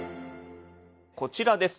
こちらです。